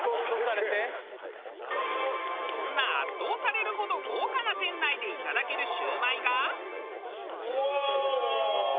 そんな圧倒されるほど豪華な店内でいただけるシュウマイが。